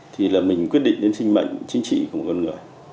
thì là mình quyết định đến sinh mệnh chính trị của một con người